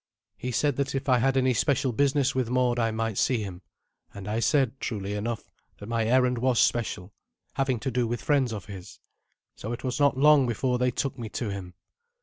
He said that if I had any special business with Mord I might see him; and I said, truly enough, that my errand was special, having to do with friends of his; so it was not long before they took me to him.